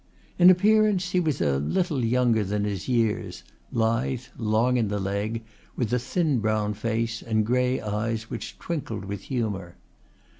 In appearance he was a little younger than his years, lithe, long in the leg, with a thin brown face and grey eyes which twinkled with humour.